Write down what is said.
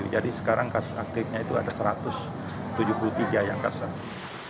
jadi sekarang kasus aktifnya itu ada satu ratus tujuh puluh tiga yang kasus aktif